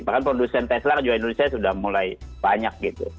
bahkan produsen tesla juga indonesia sudah mulai banyak gitu